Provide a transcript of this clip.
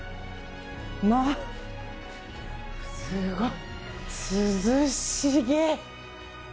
まあ、すごい涼しげ。